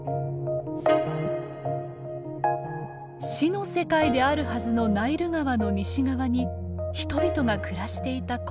「死の世界」であるはずのナイル川の西側に人々が暮らしていた痕跡。